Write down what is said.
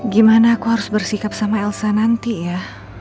gimana aku harus bersikap sama elsa nanti ya